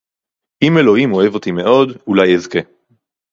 אם אלוהים אוהב אותי מאוד, אולי אזכה